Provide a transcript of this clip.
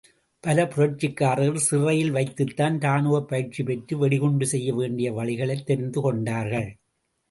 பல புரட்சிக்காரர்கள் சிறையில் வைத்துத்தான் ராணுவப் பயிற்சி பெற்று வெடிகுண்டு செய்யவேண்டிய வழிகளைத் தெரிந்து கொண்டார்கள்.